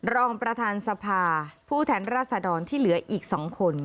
รองประธานสภาผู้แทนราษฎรที่เหลืออีก๒คน